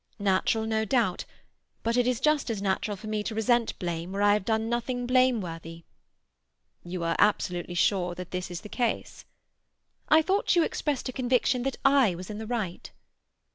"Natural, no doubt. But it is just as natural for me to resent blame where I have done nothing blameworthy." "You are absolutely sure that this is the case?" "I thought you expressed a conviction that I was in the right?"